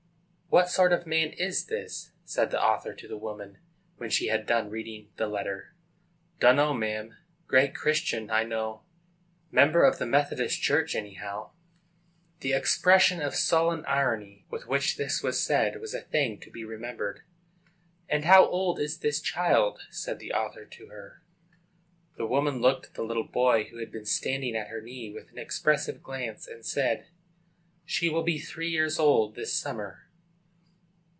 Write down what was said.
"What sort of a man is this?" said the author to the woman, when she had done reading the letter. "Dunno, ma'am; great Christian, I know,—member of the Methodist church, anyhow." The expression of sullen irony with which this was said was a thing to be remembered. "And how old is this child?" said the author to her. The woman looked at the little boy who had been standing at her knee, with an expressive glance, and said, "She will be three years old this summer."